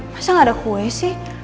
masa gak ada kue sih